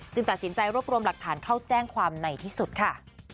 ตัดสินใจรวบรวมหลักฐานเข้าแจ้งความในที่สุดค่ะ